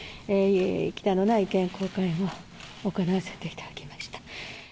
きたんのない意見交換を行わせていただきました。